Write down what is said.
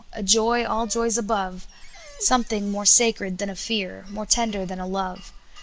A joy all joys above, Something more sacred than a fear, More tender than a love.